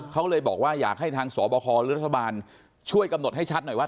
เขาเลยบอกว่าอยากให้ทางสบคหรือรัฐบาลช่วยกำหนดให้ชัดหน่อยว่า